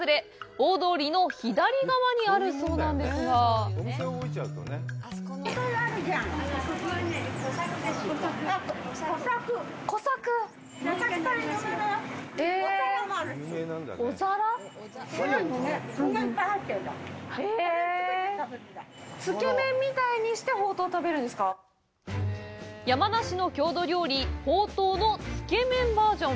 大通りの左側にあるそうなんですが山梨の郷土料理、ほうとうのつけ麺バージョン！